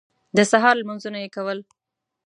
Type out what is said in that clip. د سهار لمونځونه یې کول.